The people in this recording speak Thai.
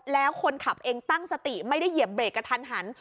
แล้วคนขับเองตั้งสติไม่ได้เหยียบเบรกกระทันหัน